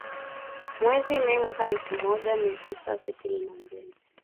Mwezi Mei mwaka elfu moja mia tisa sitini na mbili